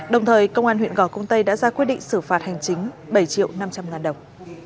đồng thời công an huyện gò công tây đã ra quyết định xử phạt hành chính bảy triệu năm trăm linh ngàn đồng